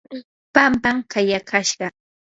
pampam kayakashqa.